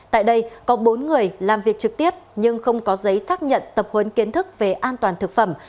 tại đây có bốn người làm việc trực tiếp nhưng không có giấy xác nhận tập huấn kiến thức về an toàn thực phẩm